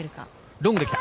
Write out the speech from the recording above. ロングで来た。